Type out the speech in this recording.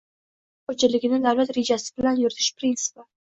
— qishloq xo‘jaligini davlat rejasi bilan yuritish prinsipi.